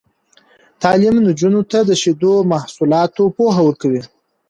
تعلیم نجونو ته د شیدو محصولاتو پوهه ورکوي.